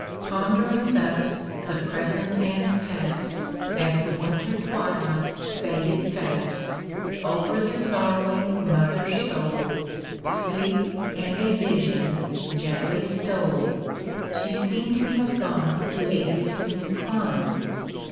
Pondering thus the present and past As the winter twilight faded fast, Over the sorrowing mother's soul, Sleep and a vision gently stole. She seemed to have gone to a distant cllmc.